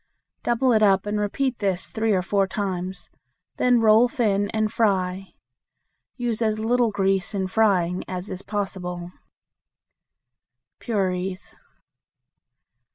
Double it up and repeat this three or four times; then roll thin and fry. Use as little grease in frying as is possible. Puris.